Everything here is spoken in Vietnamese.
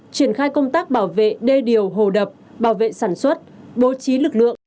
triển khai công tác bảo vệ đê điều hồ đập bảo vệ sản xuất bố trí lực lượng